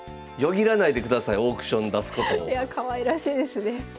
いやかわいらしいですねはい。